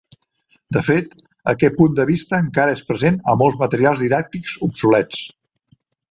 De fet, aquest punt de vista encara és present a molts materials didàctics obsolets.